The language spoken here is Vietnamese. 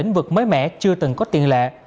lĩnh vực mới mẻ chưa từng có tiền lệ